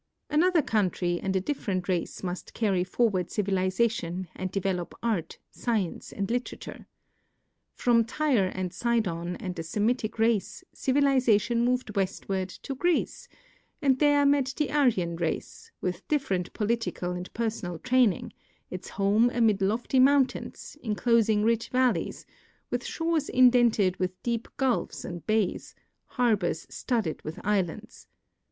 Another country and a different race must carry forward civilization and develop art, science, and literature. From Tyre and Sidon and the Semitic race, civilization moved westward to Greece, and there met the Aryan race, with different political and personal training, its home amid lofty mountains, enclosing rich valleys, with shores indented with deep gulfs and bays, harbors studded with islands.